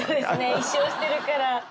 １勝してるから。